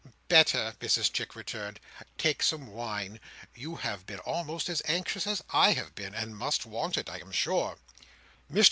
"Better," Mrs Chick returned. "Take some wine. You have been almost as anxious as I have been, and must want it, I am sure."